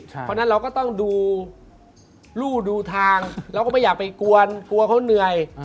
เพราะฉะนั้นเราก็ต้องดูรู่ดูทางเราก็ไม่อยากไปกวนกลัวเขาเหนื่อย